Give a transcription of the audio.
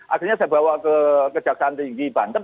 akhirnya saya bawa ke kejaksaan tinggi banten